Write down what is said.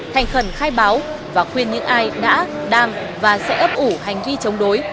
thành khẩn khai báo và khuyên những ai đã đang và sẽ ấp ủ hành vi chống đối